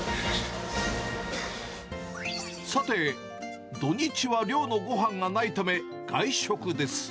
さて、土日は寮のごはんがないため、外食です。